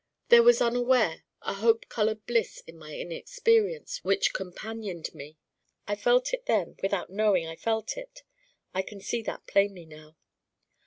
There was unaware a hope colored bliss in my inexperience which companioned me. I felt it then without knowing I felt it. I can see that plainly now.